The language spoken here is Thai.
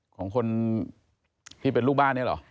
ของคนที่เป็นลูกบ้านนี้เหรอ